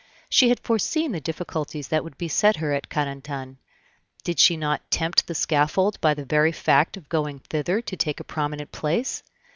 She had foreseen the difficulties that would beset her at Carentan. Did she not tempt the scaffold by the very fact of going thither to take a prominent place?